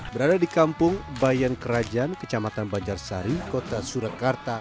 berada di kampung bayan kerajaan kecamatan banjarsari kota surakarta